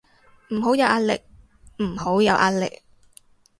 唔好有壓力，唔好有壓力